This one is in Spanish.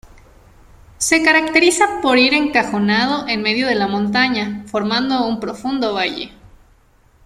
Se caracteriza por ir encajonado en medio de la montaña, formando un profundo valle.